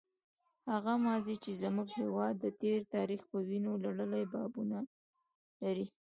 هغه ماضي چې زموږ هېواد د تېر تاریخ په وینو لړلي بابونه لري.